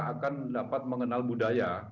akan dapat mengenal budaya